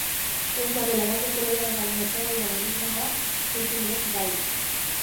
Ez dago laranja kolorea baino eztabaida murritzagoa sortzen duen gairik.